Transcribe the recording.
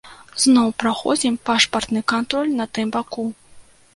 Зноў праходзім пашпартны кантроль на тым баку.